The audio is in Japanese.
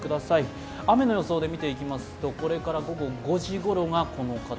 雨の予想で見ていきますと、これから午後５時ごろがこの形。